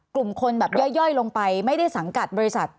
กลุ่มคนแบบย่อยลงไปไม่ได้สังกัดบริษัท